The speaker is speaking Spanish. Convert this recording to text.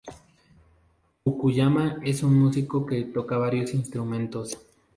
Fukuyama es un músico que toca varios instrumentos.